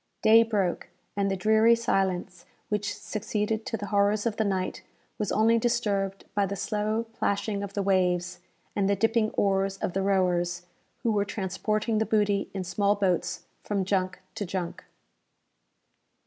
Day broke, and the dreary silence which succeeded to the horrors of the night was only disturbed by the slow plashing of the waves, and the dipping oars of the rowers, who were transporting the booty in small boats from junk to junk.